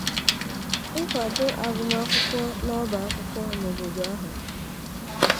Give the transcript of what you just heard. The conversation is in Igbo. nkwàdo agụmakwụkwọ na ọba akwụkwọ n'obodo ahụ